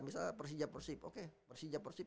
misalnya persija persib oke persija persib